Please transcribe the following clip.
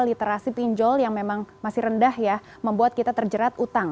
literasi pinjol yang memang masih rendah ya membuat kita terjerat utang